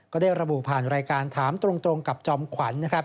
ก็ได้ระบุผ่านรายการถามตรงกับจอมขวัญนะครับ